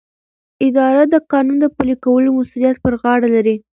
اداره د قانون د پلي کولو مسؤلیت پر غاړه لري.